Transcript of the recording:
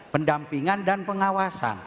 pendampingan dan pengawasan